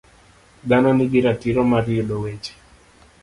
Dhano nigi ratiro mar yudo weche.